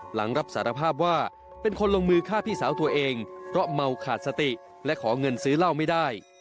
หลังรับสารภาพว่าเป็นคนลงมือฆ่าพี่สาวตัวเองเพราะเมาขาดสติและขอเงินซื้อเหล้าไม่ได้